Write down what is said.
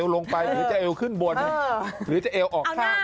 ลงไปหรือจะเอวขึ้นบนหรือจะเอวออกข้าง